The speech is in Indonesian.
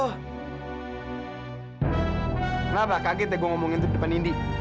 kenapa kaget ya gue ngomongin itu di depan indi